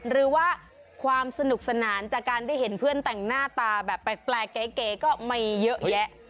หรือว่าความสนุกสนานจากการได้เห็นเพื่อนแต่งหน้าตาแบบแปลกเก๋ก็ไม่เยอะแยะ